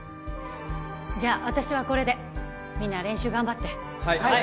じゃあ私はこれでみんな練習頑張ってはい！